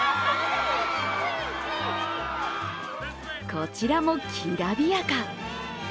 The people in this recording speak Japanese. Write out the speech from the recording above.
こちらもきらびやか。